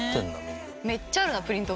めっちゃあるなプリント。